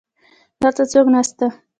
دلته څوک نسته